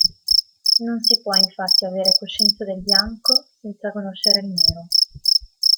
Non si può infatti avere coscienza del bianco senza conoscere il nero.